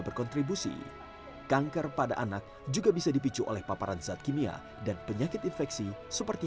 berkontribusi kanker pada anak juga bisa dipicu oleh paparan zat kimia dan penyakit infeksi seperti